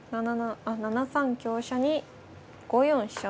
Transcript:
７三香車に５四飛車と。